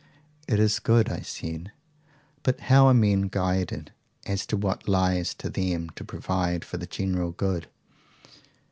It is good, I said. But how are men guided as to what lies to them to provide for the general good?